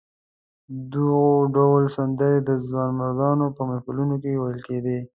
دغه ډول سندرې د ځوانمردانو په محفلونو کې ویل کېدې.